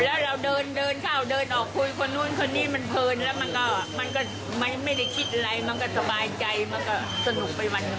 แล้วเราเดินเดินเข้าเดินออกคุยคนนู้นคนนี้มันเพลินแล้วมันก็ไม่ได้คิดอะไรมันก็สบายใจมันก็สนุกไปวันหนึ่ง